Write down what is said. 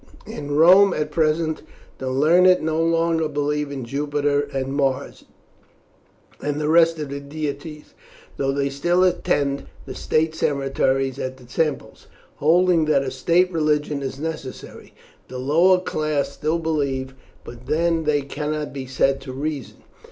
In Rome at present the learned no longer believe in Jupiter and Mars and the rest of the deities, though they still attend the state ceremonies at the temples, holding that a state religion is necessary. The lower class still believe, but then they cannot be said to reason.